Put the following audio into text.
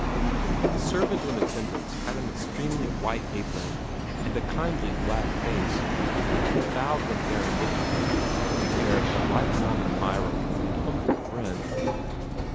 The servant in attendance had an extremely white apron and a kindly black face. He bowed when Theron looked at him, with the air of a lifelong admirer and humble friend.